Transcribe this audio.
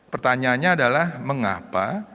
pertanyaannya adalah mengapa